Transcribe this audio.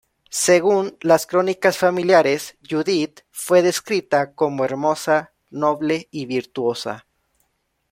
Según las crónicas familiares, Judith fue descrita como hermosa, noble y virtuosa.